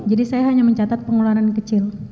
jadi saya hanya mencatat pengeluaran kecil